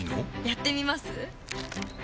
やってみます？